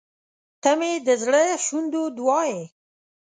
• ته مې د زړه شونډو دعا یې.